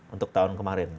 untuk tahun kemarin